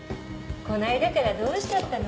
この間からどうしちゃったの？